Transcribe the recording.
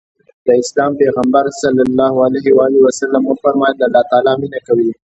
د اسلام پيغمبر ص وفرمايل الله تعالی مينه کوي.